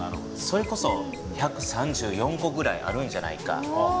それこそ１３４個ぐらいあるんじゃないか。